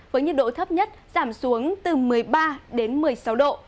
với nhiệt độ thấp nhất giảm xuống từ một mươi ba đến một mươi sáu độ